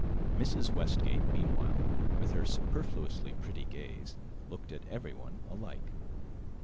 Mrs. Westgate meanwhile, with her superfluously pretty gaze, looked at everyone alike.